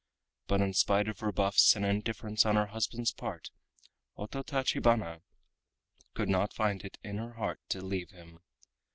But in spite of rebuffs and indifference on her husband's part, Ototachibana could not find it in her heart to leave him.